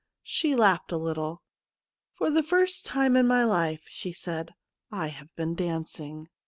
She laughed a little. ' For the first time in my life/ she said, ' I have been dancing.'